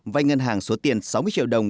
vay ngân hàng số tiền sáu mươi triệu đồng